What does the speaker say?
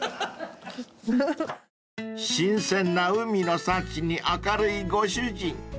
［新鮮な海の幸に明るいご主人］